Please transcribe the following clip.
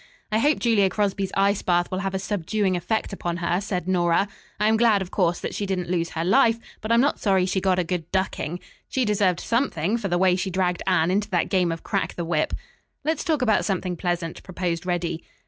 "I hope Julia Crosby's ice bath will have a subduing effect upon her," said Nora. "I am glad, of course, that she didn't lose her life, but I'm not sorry she got a good ducking. She deserved something for the way she dragged Anne into that game of crack the whip." "Let's talk about something pleasant," proposed Reddy.